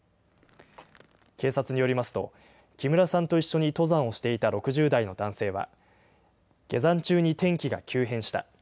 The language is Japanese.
警察によりますと、木村さんと一緒に登山をしていた６０代の男性は、下山中に天気が急変した。